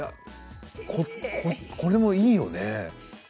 これもいいよね。